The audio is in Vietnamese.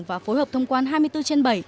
và phối hợp thông quan hai mươi bốn trên bảy